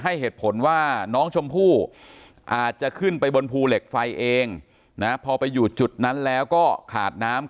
ให้เหตุผลว่าน้องชมพู่อาจจะขึ้นไปบนภูเหล็กไฟเองนะพอไปอยู่จุดนั้นแล้วก็ขาดน้ำ